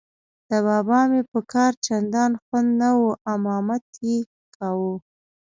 د بابا مې په کار چندان خوند نه و، امامت یې کاوه.